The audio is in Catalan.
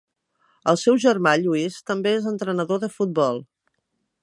El seu germà, Lluís, també és entrenador de futbol.